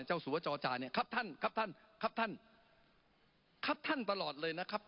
สัวจอจาเนี่ยครับท่านครับท่านครับท่านครับท่านตลอดเลยนะครับ